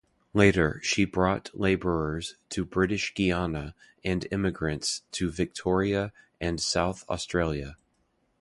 Later she brought laborers to British Guiana and immigrants to Victoria and South Australia.